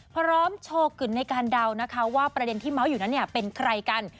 พร้อมโชว์กลิ่นในการเดานะคะว่าประเด็นที่เมาส์อยู่นั้นเป็นใครกัน